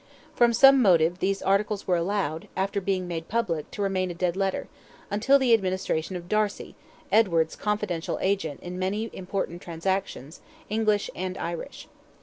From some motive, these articles were allowed, after being made public, to remain a dead letter, until the administration of Darcy, Edward's confidential agent in many important transactions, English and Irish.